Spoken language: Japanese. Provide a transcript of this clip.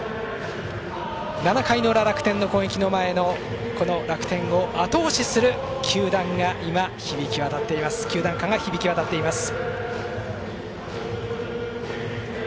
７回の裏楽天の攻撃の前の楽天をあと押しする球団歌が響き渡っています。